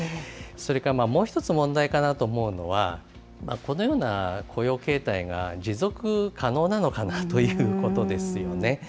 それから、もう一つ問題かなと思うのは、このような雇用形態が持続可能なのかなということですよね。